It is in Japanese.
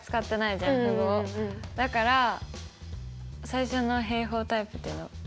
だから最初の平方タイプっていうの？